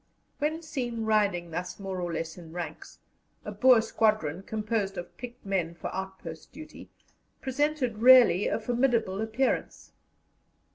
When seen riding thus more or less in ranks, a Boer squadron, composed of picked men for outpost duty, presented really a formidable appearance.